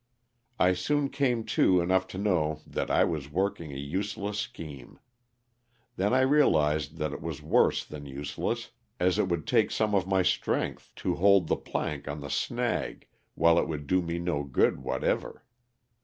I soon came too enough to know that I was working a useless scheme; then I realized that it was worse than useless as it would take some of my strength to hold the plank on the snag while it would do me no good whatever.